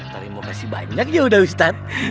terimakasih banyak ya ustadz